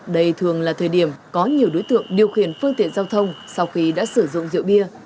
đây thường là thời điểm có nhiều đối tượng điều khiển phương tiện giao thông sau khi đã sử dụng rượu bia